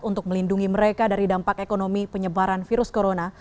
untuk melindungi mereka dari dampak ekonomi penyebaran virus corona